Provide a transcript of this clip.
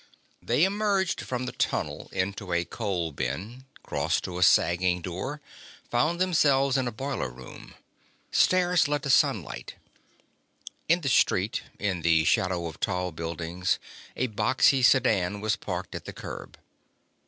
They emerged from the tunnel into a coal bin, crossed to a sagging door, found themselves in a boiler room. Stairs led up to sunlight. In the street, in the shadow of tall buildings, a boxy sedan was parked at the curb.